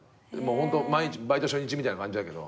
ホント毎日バイト初日みたいな感じだけど。